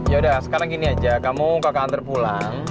yaudah sekarang gini aja kamu kakak anter pulang